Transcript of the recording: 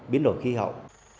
biến đổi khí hậu